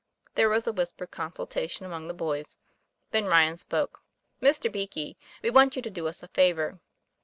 There was a whispered consultation among the boys; then Ryan spoke: ' Mr. Beakey, we want you to do us a favor.